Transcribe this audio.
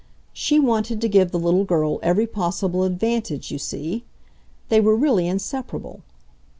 She wanted to give the little girl every possible advantage, you see. They were really inseparable.